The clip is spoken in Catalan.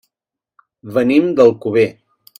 Venim d'Alcover.